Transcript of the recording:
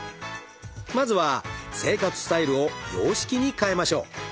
まずは生活スタイルを洋式に変えましょう。